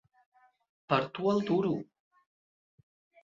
Per a tu el duro!